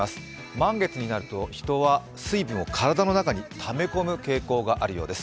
満月になると人は水分を体の中にため込む傾向があるようです。